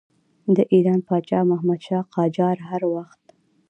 د ایران پاچا محمدشاه قاجار هر وخت.